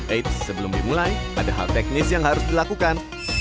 eits sebelum dimulai ada hal teknis yang harus dilakukan